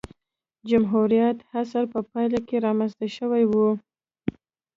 جمهوریت عصر په پایله کې رامنځته شوې وې.